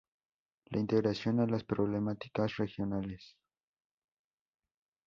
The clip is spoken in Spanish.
La integración a las problemáticas regionales.